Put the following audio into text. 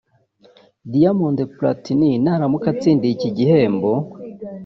Diamond Platnumz naramuka atsindiye iki gihembo